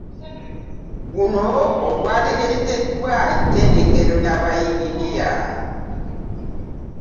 Guno ogwategekeddwa ettendekero lya bayinginiya